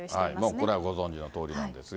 これはご存じのとおりなんですが。